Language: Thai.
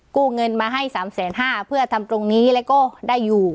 กู้เงินมาให้สามแสนห้าเพื่อทำตรงนี้แล้วก็ได้อยู่